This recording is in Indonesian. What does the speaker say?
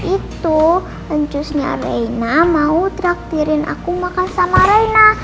itu cusnya rena mau traktirin aku makan sama rena